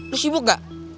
lu sibuk gak